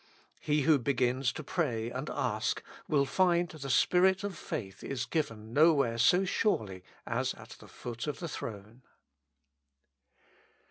He who begins to pray and ask will find 'the Spirit of faith is given nowhere so surely as at the foot of the Throne.